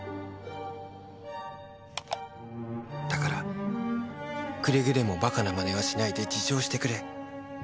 「だからくれぐれも馬鹿な真似はしないで自重してくれ。